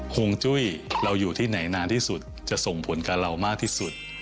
ห่วงจุ้ยเราอยู่ที่ไหนนานที่สุดจะส่งผลกับเรามากที่สุด